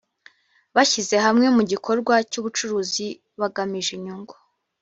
bashyize hamwe mu gikorwa cy ubucuruzi bagamije inyungu